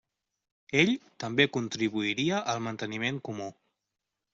Ell també contribuiria al manteniment comú.